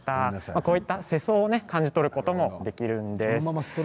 こういった世相を感じ取ることができるんです。